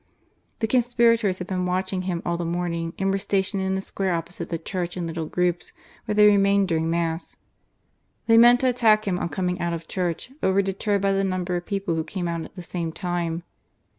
The conspirators had been watching him all the morning, and were stationed in the square opposite the church in little groups, where they remained during Mass. They meant to attack him on coming out of church, but were deterred by the number of people who came out at the same time.